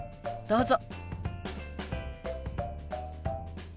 どうぞ。